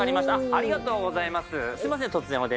ありがとうございます。